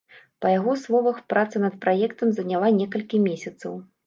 Па яго словах, праца над праектам заняла некалькі месяцаў.